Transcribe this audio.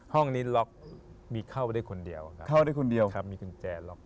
ห้องนี้ล็อคมีเข้าด้วยคนเดียวมีกุญแจล็อค